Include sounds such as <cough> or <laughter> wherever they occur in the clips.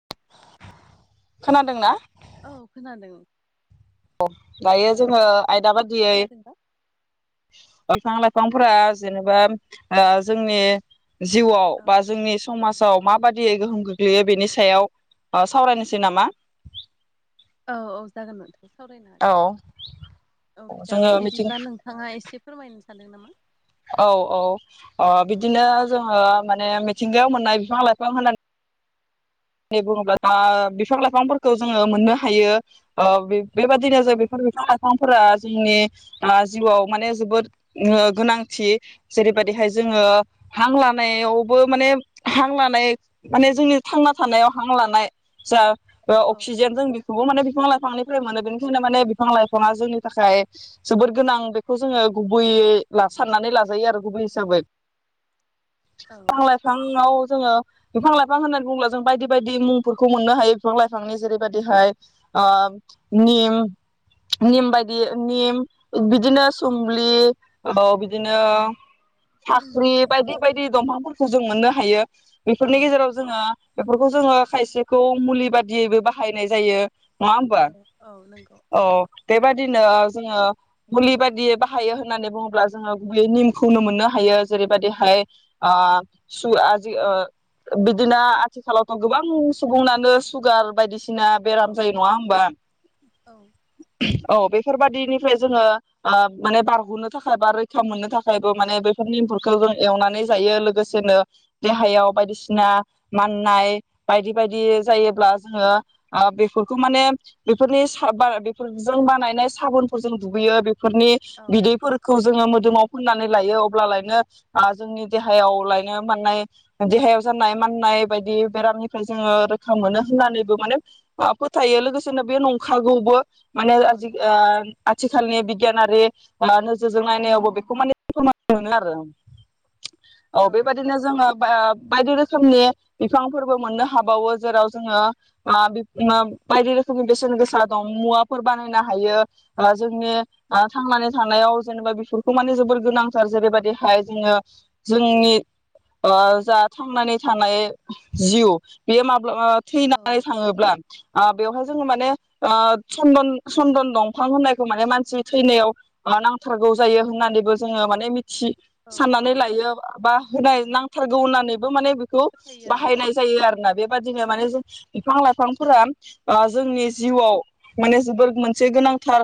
<unintelligible> खोनादोंना औ खोनादों अ दायो जोङो आयदा बादियै खोनादोंबा बिफां लाइफांफोरा जेनेबा ओ जोंनि जिउआव औ बा जोंनि समाज जाव माबादियै गोहोम गोग्लैयो बेनि सायाव ओ सावरायनोसै नामा औ औ जागोन नों सावरायनो औ हागोन औ बिदा जोङो मिथिं बिदिब्ला नोंथाङा एसे फोरमाय सान्दों नामा औ औ ओ औ बिदिनो जोङो मि थिंगायाव मोननाय बिफां लाइफां होनना नै बुङोब्ला दा बिफां लाइफांफोरखौ जोङो मोननो हायो ओ बे बेबायदिनो औ जों बेफोर बिफां लाइफां फोरा जोंनि आ जिउआव माने जोबोद ओ गोनांथि जेरैबादिहाय जोङो हां लानायावबो माने हां लानाय माने जोंनि थांना थानायाव हां लानाय जा ओ औ औ अक्सिजेन जों बिखौबो माने बिफां लाइफांनि फ्राय मोनो बेनिखायनो माने बिफां-लाइफाङा जोंनि थाखाय जोबोद गोनां बेखौ जोङो गुबैयै ला साननानै लाजायो आरो गुबै हिसाबै। फां-लाइफांआव जोङो बिफां-लाइफां होननानै बुंब्ला जों बायदि-बायदि मुं फोरखौ मोननो हायो बिफां-लाइफानि जेरैबादि हाय ओ निम निम बायदि निम औ बिदिनो सुमब्लि औ बिदिनो फाख्रि बायदि बाय बि दंफांफोरखौ जों मोननो हायो। औ बेफोरनि गेजेराव जोङो बेफोरखौ जोङो खायसेखौ मुलि बादियैबो बाहायनाय जायो। नङा होमबा औ नंगौ औ बेबा दिनो जोङो मुलि बायदियै बाहायो होन्नानै बुङोब्ला जोङो गुबैयै निमखौ मोननो हायो। जेरैबायदिहाय ओ सु आ जि ओ बिदिनो आ आथिखालावथ' गोबां सुबुंनानो सुगार बायदिसि ना बेराम औ जायो नङा होमबा? औ <unintelligible> औ बेफोरबादिनिफ्राय जोङो ओ माने बारग'नो थाखाय बा रैखा मोननो थाखायबो माने बेफोर निमफोरखौ जों एवनानै जायो लोगोसेनो देहायाव बायदिसिना माननाय बायदि बायदि जायोब्ला जोङो आ बेफोरखौ माने बेफोरनि सा बा बेफोरजों बानायनाय साबुनफोरजों दुगैयो बे फोरनि औ बिदैफोरखौ जोङो मोन मोदोमाव फोननानै लायो अब्लालायनो जोंनि देहायाव लायनो माने देहायाव जानाय नाय बायदि बेरामनिफ्राय जोङो रोखा मोनो होननानैबो माने फोथायो लोगोसेनो बे नंखागौबो। माने औ नों आजिग आ आथिखालनि बिगियानारि नोजोरजों नायनायावबो बेखौ माने फोरमान मोनो आरो औ बेबायदिनो जोङो बायदि रोखोमनि बिफांफोरबो मोननो हाबावो जेराव जोङो बायदि रोखोमनि बेसेन गोसा दं मुवाफोर बानायनो हायो। जोंनि थांनानै थानायाव जेनेबा बेफोरखौ माने जोबोर गोनांथार जेरैबायदिहाय जोङो जोंनि जा थांनानै थानाय जिउ' बे माब्लाबा औ थैनानै थाङोब्ला बेवहाय जोङो माने सन्दन-सन्दन दंफां होननायखौ माने मानसि थैनायाव नांथारगौ जायो। होननानैबो जोङो माने औ औ साननानै लायो बा होनाय नांथारगौ होननानैबो माने बेखौ फोथायो आरो बाहायनाय जायो आरोना बेबादिनो औ माने जों बिफां-लाइ बिफांफोरा जोंनि जिउआव माने जोबोर मोनसे गोनांथार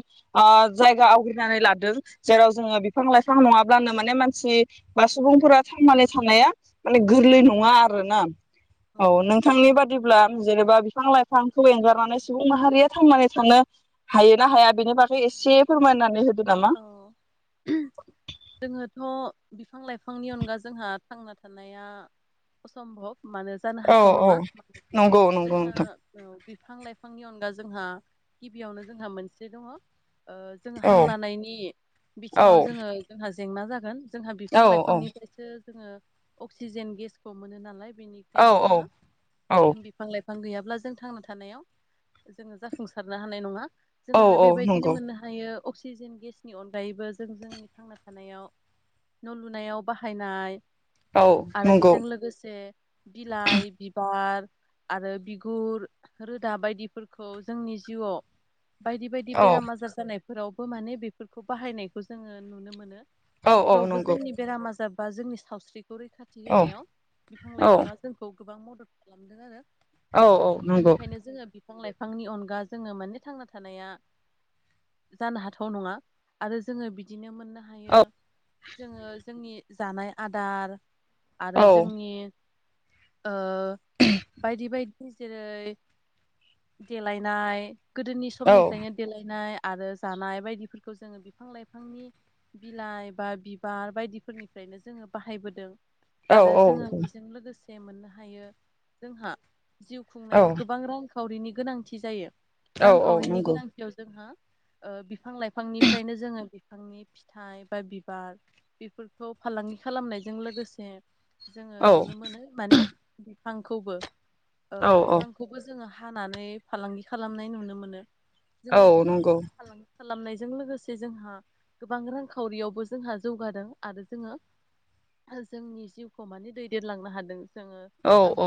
जायगा आवग्रिनानै लादों। जेराव जोङो बिफां-लाइफां नङाब्लानो माने मानसि बा सुबुंफोरा थांनानै थानाया माने औ गोरलै नङा। औ उम उम नोंथांनि बादिब्ला जेनेबा बिफां-लाइफांखौ एंगारनानै सुबुं माहारिया थांनानै थानो हायो ना हाया? बेनि बागै एसे फोरमायनानै हो औ जोङोथ' बिफां-लाइफांनि अनगा जोंहा थांना थानाया असम्भब मानो जानो औ हाथाव औ नङा नंगौ नंगौ जोंहा नोंथां ओ - बिफां लाइफांनि अनगा जोंहा गिबियावनो जोंहा मोनसे दङ। ओ जों हां औ लानायनि नि औ बिथिङाव जोङो जोंहा जेंना जागोन। जोंहा बिफां औ औ लाइफांनिफ्रायसो जोङो अक्सिजेन गेसखौ मोनो नालाय औ बेनिखायनो जोङो औ बिफां लाइफां बिफां गैयाब्ला जों थांना थानायाव जोङो जाफुंसारनो हानाय नङा। जों औ आरो औ बेबायदिनो नंगौ मोननो हायो अक्सिजेन गेस नि अनगायैबो जों जोंनि थांना थानायाव न' लुनायाव बाहायनाय औ आरो नंगौ बेजों लोगोसे बिलाइ बिबार आरो बिगुर रोदा बायदिफोरखौ जोंनि जिउआव बायदि बायदि औ बेराम आजार जानाय फोरावबो माने बे फोरखौ बाहायनायखौ जोङो नुनो मोनो। औ औ बेफोरावबो नंगौ जोंनि बेरामा जा बा जोंनि सावस्रि खौ रैखाथि औ होनायाव बिफां औ लाइफाङा जोंखौ गोबां मदद खालामदों आरो औ औ नंगौ। बेनिखायनो जोङो बिफां लाइफांनि अनगा जोंङो माने थांना थानाया जानो हाथाव नङा। आरो जोङो बिदिनो मोन नो औ हायो जोङो जोंनि जानाय आदार औ आरो जोंनि ओ बायदि बायदि जेरै देलायनाय गोदोनि समनिफ्रायनो देलायनाय आरो जानाय बायदिफोर खौ जोङो बिफां लाइफांनि बिलाइ बा बिबार बायदिफोरनिफ्रायनो जोङो बाहायबोदों। औ आरो जोङो बेजों लोगोसे जे मोननो हायो जोंहा जिउ खुंनायाव गोबां रां खावरिनि गोनांथि जायो। रांखावरिनि नंगौ गोनांथियाव जोंहा ओ बिफां लाइ फांनिफ्रायनो जोङो बिफांनि फिथाइ बा बिबार बेफोरखौ फालांगि खालामनायजों लोगोसे जोङो औ नुनो मोनो माने बिफांखौबो ओ औ औ बिफांखौबो जोङो हानानै फालांगि खालामनाय नुनो मोनो। जोङो औ नंगौ बिफांखौ फालांगि खालामनाय जों लोगोसे जोंहा गोबां रांखावरियावबो जोंहा जौगादों आरो जोङो जोंनि जिउखौ माने दैदेनलांनो हादों। जोङो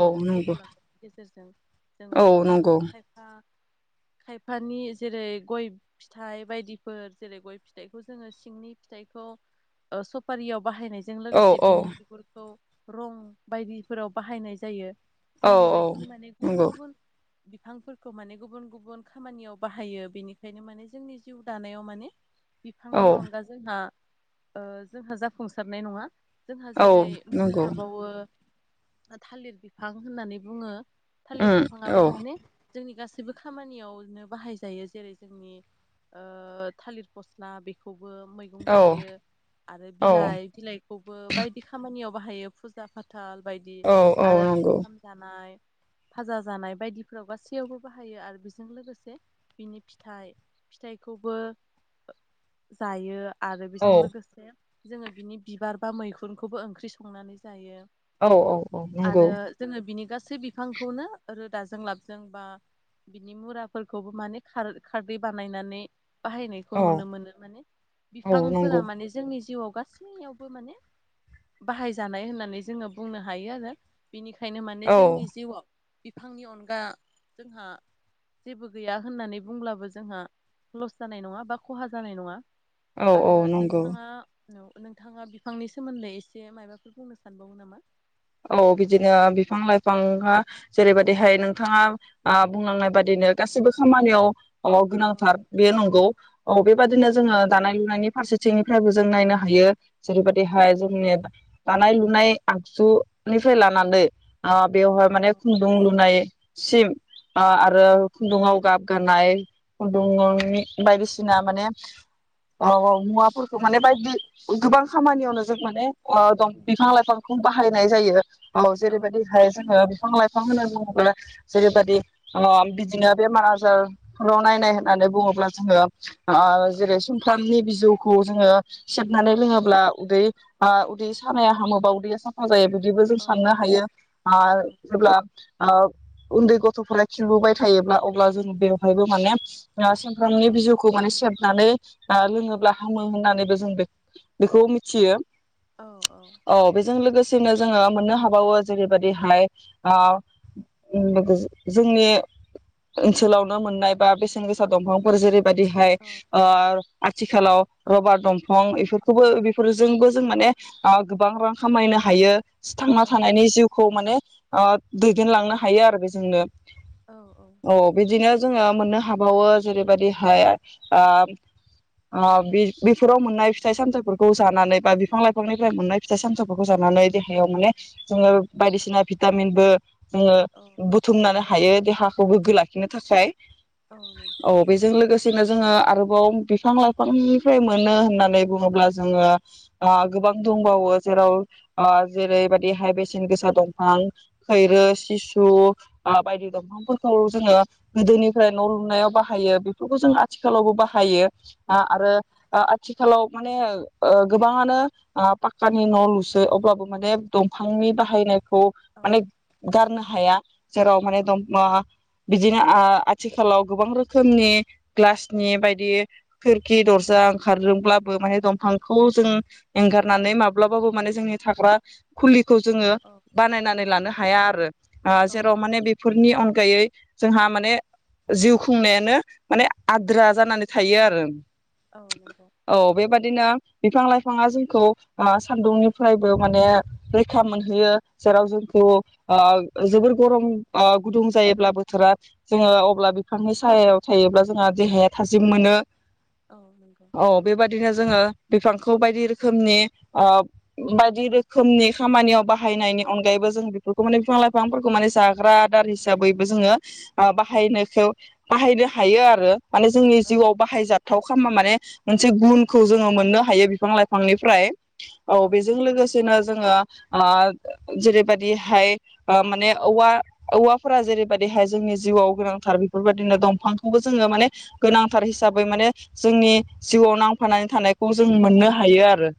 औ नंगौ जौगालांगोन गेजेरजों जोङो औ आरो जोंनि नंगौ खायफा खायफानि जेरै गय फिथाइ बायदि फोर जेरै गय फिथाइ खौ जोङो सिंनि फिथाइखौ ओ सफारियाव बाहायनायजों औ लोगोसे औ बिनि बिगुरखौ रं बायदिफोराव बाहायनाय जायो। औ जों बेबायदिनो माने गुबुन नंगौ गुबुन बिफां फोरखौ माने गुबुन गुबुन खामानियाव बाहायो बेनिखायनो माने जोंनि जिउ दानायाव माने औ बिफांनि अनगा जोंहा अ जोंहा जाफुंसारनाय नङा। जोंहा औ जेरै मोननो नंगौ हाबावो। थालिर बिफां होननानै बुङो। थालिर उम बिथाङाबो औ माने जोंनि गासै -बो खामानियावनो बाहायजायो जेरै जोंनि अ थालिर फसना बेखौ मैगं औ जायो आरो औ बिलाइ बिलाइखौबो बाय खामानियाव बाहायो फुजा फाथो आल बायदि औ औ आरो नंगौ ओंखाम जानाय फाजा जानाय बायदिफोराव गासैयावबो बाहायो आरो बेजों लोगोसे बिनि फिथाइ फिथाइखौबो जायो। आरो बेजों औ लोगोसे जोङो बिनि बिबार बा मैखुनखौबो ओंख्रि संनानै जायो। औ औ औ नंगौ से बिफांखौनो रोदाजों लाबजों बा बिनि मुराफोरखौबो माने खारदै बानायनानै बाहायनायखौ औ नुनो मोनो माने औ बिफांफोरा नंगौ माने जोंनि जिउआव गासैयावबो माने बाहायजानाय होननानै जोङो बुंनो हायो आरो बिनिखायनो माने औ जोंनि जिउआव बिफांनि अनगा जोंहा जेबो गैया होननानै बुंब्लाबो जों जोंहा लस जानाय नङा बा खहा जानाय नङा औ औ आरो नंगौ नोंथाङा औ नोंथाङा बिफांनि सोमोन्दै एसे माबाफोर बुंनो सानबावो नामा औ बिदिनो बिफां लाइफां हा जेरैबायदिहाय नोंथाङा बुंलांनाय बादिनो गासिबो खामानियाव अ औ गोनांथार बे नंगौ औ बेबायदिनो औ जोङो दानाय लुनायनि फारसेथिंनिफ्रायबो जों नायनो हायो जेरैबायदि देहाय औ जोंनिया दानाय लुनाय आगसु निफ्राय लानानै ओ बेवहाय माने औ खुन्दुं लुनाय सिम ओ आरो औ खुन्दुङाव गाब गानाय खुन्दुं बायदिसिना माने <unintelligible> मुवाफोरखौ माने बायदि गोबां खामानियावनो जों माने ओ दं बिफां लाइफांखौ बाहाय होनाय जायो। औ जेरैबायदिहाय जोङो बिफां लाइफां होन बुङोब्ला जेरैबादि ओ बिदिनो बेमार आजारफोराव नायनाय होननानै बुङोब्ला जोङो ओ जेरै औ सुमफ्रामनि बिजौ खौ जोङो औ सेबनानै औ लोङोब्ला उदै ओ बि सानाया हामोबा उदैया सा फा जायो <unintelligible> बिबो जों औ साननो हायो आ उम जेब्ला ओ उन्दै गथ'फोरा खिलुबाय थायोब्ला अब्ला जों बेवहायबो माने ओ औ समफ्रामनि बिजौखौ माने से नानै ओ औ लोङोब्ला हामो होननानैबो <unintelligible> बेखौ मिथियो औ औ बेजों लोगोसे <unintelligible> जोङो मोननो हाबावो जेरैबायदिहाय ओ <unintelligible> जोंनि ओनसोलावनो मोननाय बा बेसेन गोसा दंफांफोर जेरै बिदिहाय औ ओ आथिखालाव रबार दंफं इफोरखौबो बेफोरजोंबो जों माने ओ गोबां रां खामायनो हायो थांना औ थानायनि जिउ खौ माने ओ दैदेनलांनो हायो आरो बेजोंनो। औ औ <inaudible> अ नंगौ बिदिनो जोङो मोननो हाबावो जेरैबायदि हाय ओ ओ बि बिफोराव मोननाय फिथाइ सामथाइफोरखौ जानानै बा बिफां लाइफांनिफ्राय मोननाय फिथाइ सामाइफोरखौ जानानै देहायाव माने जोङो बायदिसिना भिटामिनबो जोङो औ बुथुमनानो हायो। <unintelligible> हाखौ गोग्गो लाखिनो थाखाय। औ नंगौ औ बेजों लोगोसेनो जोङो आरोबाव बिफां लाइफांनिफ्राय मोनो होननानै बुङोब्ला जोङो ओ गोबां दंबावो जेराव ओ जेरैबादिहाय बेसेन गोसा दंफां औ खैरो सिसु ओ बायदि दंफांफोरखौ जोङो गोदोनिफ्राय न' लुनायाव बाहायो बेफोरखौ जों आथिखालावबो बाहायो। आ औ आरो ओ आ आथिखालाव माने ओ गोबाङानो ओ पाक्कानि न' लुस ओ अब्लाबो माने दंफांनि बाहायनाय। खौ माने गारनो हा हाया। जेराव माने दम आ बिदिनो आ आथिखालाव गोबां रोखोमनि ग्लासनि बायदि खोरखि दरजा ओंखारदोंब्लाबो माने दंफांखौ जों एंगारनानै माब्लाबाबो माने जोंनि थाग्रा। खुलिखौ औ जोङो बानायनानै लानो हा हाया आरो। ओ जेराव माने बेफोरनि अनगायै। जोंहा माने जिउ खुंनायानो माने आद्रा जानानै थायो आरो। औ नंगौ औ बेबादिनो। बिफां लाइफाङा जोंखौ ओ सान्दुंनि फ्रायबो माने रैखा मोनहैयो। जेराव जोंखौ औ ओ जोबोर गरम ओ गुदुं जायोब्ला बोथोरा जोङो अब्ला बिफांनि सायाव थायोब्ला जोंहा देहाया थाजिम मोनो। औ नंगौ औ बेबायाददिनो जोङो। बिफांखौ बायदि रोखोमनि ओ बायदि रोखोमनि खामानियाव बाहायनायनि अनगायैबो जों बेफोरखौ माने बिफां लाइफांफोरखौ माने जाग्रा आदार हिसाबैबो जोङो ओ बाहायनायखौ बाहायनो हायो आरो माने जोंनि औ जिउआव बाहायजाथाव खामो माने मोनसे गुनखौ जोङो मोननो हायो बिफां लाइफांनिफ्राय औ। बेजों लोगोसेनो जोङो ओ जेरैबायदिहाय ओ माने औवा औवाफोरा जेरैबायदिहाय जोंनि जिउआव गोनांथार बेफोरबायदिनो दंफांखौबो जोङो माने गोनांथार हिसाबै माने जोंनि जिउआव नांफानानै थानायखौ जों मोननो हायो आरो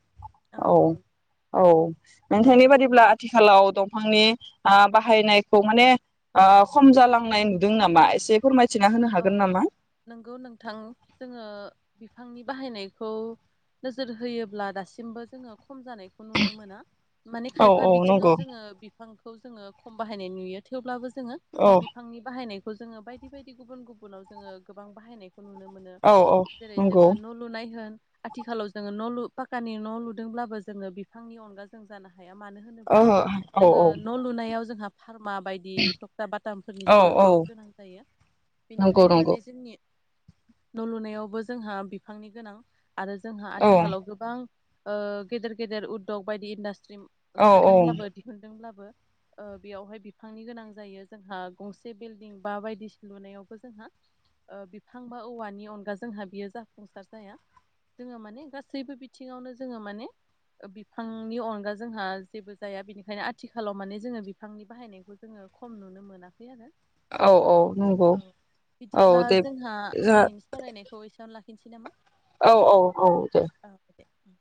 औ-औ। औ औ नोंथांनि बादिब्ला आथिखाल लाव दंफांनि ओ बाहायनायखौ माने ओ खम जालांनाय नुदों नामा एसे फोरमाय औ-औ नोंगौ नोंथां जोङो बिफांनि बाहायनायखौ नोजोर होयोब्ला दासिमबो जोङो खम जानायखौ नुनो मोना माने औ खायफा औ बिथिङाव नंगौ जोङो बिफां खौ जोङो खम बाहायनाय नुयो थेवब्लाबो जो जोङो औ बिफांनि बाहायनाय खौ जोङो बायदि बायदि गुबुन गुबुनाव जोङो गोबां बाहायनाय खौ नुनो मोनो। औ औ जेरै नंगौ जोङो न' लुनाय होन आथिखालाव जोङो न' लु पाकानि न' लुदोंब्लाबो जोङो बिफांनि अनगा जों जानो हा हाया मानो होनोब्ला ओहो औ जोङो न' लुनायाव जोंहा फारमा बायदि टक्था बाटामफोरनि औ जोंहा औ जोबोद गोनां जायो। नंगौ बेनिखायनो नंगौ माने जोंनि न' लुनायावबो जोंहा बिफांनि गोनां आरो जोंहा औ आथिखालाव गोबां ओ गेदेर गेदेर उददग बायदि इण्डास्ट स्ट्रिम औ ओंखारदोंब्लाबो दिहुनदोंब्लाबो बो ओ बियावहाय बिफांनि गोनां जायो जोंहा गंसे बिलडिं बा बायदिसिन लुनायावबो जोंहा ओ बिफां बा औवानि अनगा जोंहा बियो जाफुंसार जाया। जोङो माने गासैबो बिथिङावनो जोङो माने ओ बिफांनि अनगा जोंहा जेबो जाया। बेनिखायनो आथिखालाव माने जोङो बिफांनि बाहायनायखौ जोङो खम नुनो मोनाखै आरो। औ औ। नंगौ औ औ बिदिब्ला दे जोंहा जोंहा दिनैनि फरायनायखौ एसेआवनो लाखि नोसै नामा? औ औ औ दे। उम।